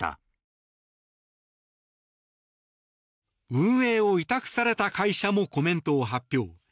運営を委託された会社もコメントを発表。